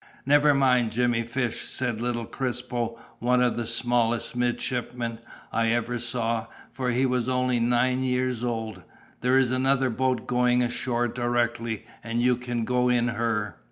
"Never mind, Jemmy Fish," said little Crispo, one of the smallest midshipmen I ever saw, for he was only nine years old. "There is another boat going ashore directly, and you can go in her."